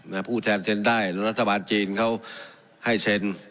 ผู้แทนเซ็นได้แล้วรัฐบาลจีนเขาให้เซ็น